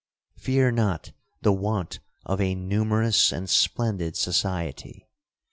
Fear not the want of a numerous and splendid society.